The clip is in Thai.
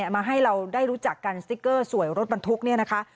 มาให้เราได้รู้จักกันสติ๊กเกอร์สวยรถบรรทุกเนี่ยนะคะ